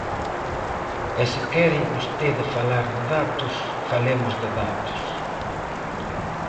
E se quere vostede falar de datos, falemos de datos.